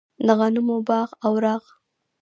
د غمونو باغ او راغ.